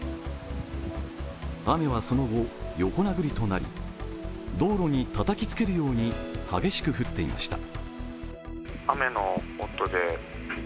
雨はそのあと、横殴りとなり道路にたたきつけるように激しく降っていました。